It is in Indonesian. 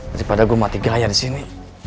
daripada gue mati gaya di sini